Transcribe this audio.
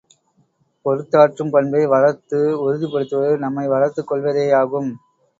பொறுத்தாற்றும் பண்பை வளர்த்து உறுதிப்படுத்துவது நம்மை வளர்த்துக் கொள்வதேயாகும்.